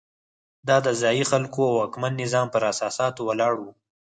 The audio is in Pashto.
دا د ځايي خلکو او واکمن نظام پر اساساتو ولاړ وو.